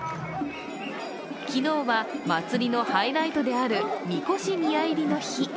昨日は祭りのハイライトである神輿宮入の日。